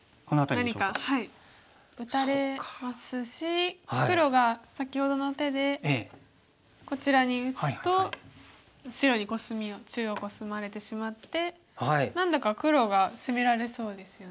何か打たれますし黒が先ほどの手でこちらに打つと白にコスミを中央コスまれてしまって何だか黒が攻められそうですよね。